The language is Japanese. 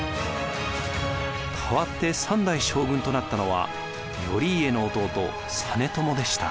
代わって３代将軍となったのは頼家の弟実朝でした。